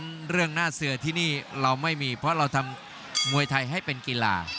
กรุงฝาพัดจินด้า